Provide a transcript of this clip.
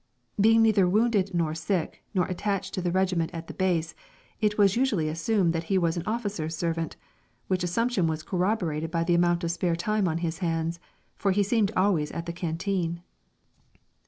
Being neither wounded nor sick, nor attached to the regiment at the base, it was usually assumed that he was an officer's servant, which assumption was corroborated by the amount of spare time on his hands, for he seemed always at the canteen.